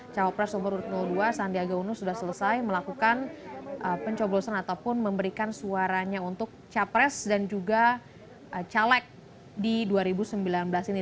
cawapres nomor dua sandiaga uno sudah selesai melakukan pencoblosan ataupun memberikan suaranya untuk capres dan juga caleg di dua ribu sembilan belas ini